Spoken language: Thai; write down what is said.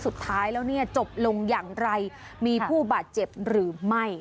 สุดท้ายแล้วเนี่ยจบลงอย่างไรมีผู้บาดเจ็บหรือไม่